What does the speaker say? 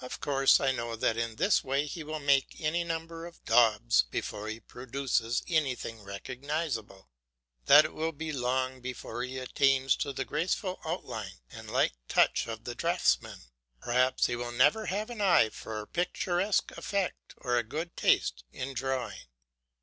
Of course I know that in this way he will make any number of daubs before he produces anything recognisable, that it will be long before he attains to the graceful outline and light touch of the draughtsman; perhaps he will never have an eye for picturesque effect or a good taste in drawing.